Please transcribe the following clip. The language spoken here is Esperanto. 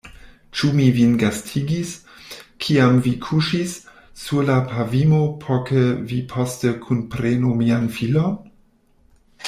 Ĉu mi vin gastigis, kiam vi kuŝis sur la pavimo, por ke vi poste kunprenu mian filon?